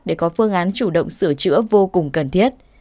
để có phương án chủ động sửa chữa vô cùng cần thiết